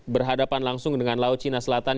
berhadapan langsung dengan laut cina selatan